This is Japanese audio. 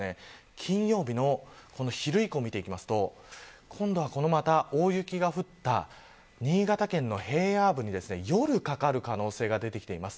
金曜日の昼以降は今度は大雪が降った新潟県の平野部に夜かかる可能性が出てきています。